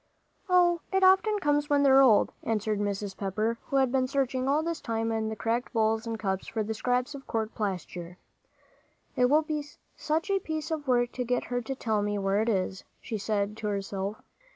"Oh, it often comes on when they're old," answered Mrs. Pepper, who had been searching all this time in all the cracked bowls and cups for the scraps of court plaster. "It will be such a piece of work to get her to tell me where it is," she said to herself.